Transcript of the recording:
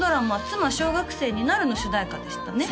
「妻、小学生になる。」の主題歌でしたね